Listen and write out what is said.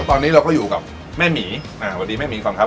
ตอนนี้เราก็อยู่กับแม่หมีอ่าสวัสดีแม่หมีก่อนครับ